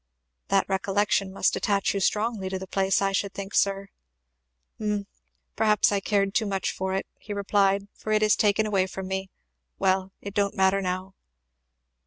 "That recollection must attach you strongly to the place, I should think, sir." "Hum perhaps I cared too much for it," he replied, "for it is taken away from me. Well it don't matter now."